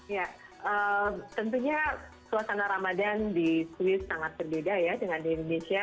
ya tentunya suasana ramadan di swiss sangat berbeda ya dengan di indonesia